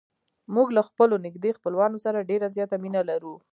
موږ له خپلو نږدې خپلوانو سره ډېره زیاته مینه لرو.